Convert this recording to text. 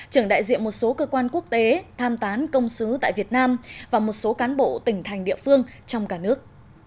trưởng đại diện một số cơ quan quốc tế tham tán công sứ tại việt nam và một số cán bộ tỉnh thành địa phương trong cả nước